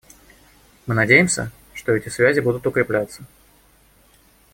Мы надеемся, что эти связи будут укрепляться.